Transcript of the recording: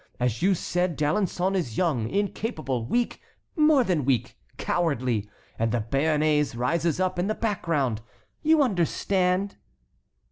As you said, D'Alençon is young, incapable, weak, more than weak, cowardly! And the Béarnais rises up in the background, you understand?"